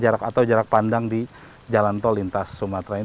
jarak atau jarak pandang di jalan tol lintas sumatera ini